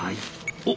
おっ！